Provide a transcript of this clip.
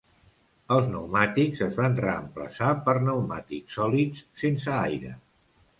Els pneumàtics es van reemplaçar per pneumàtics sòlids, sense aire.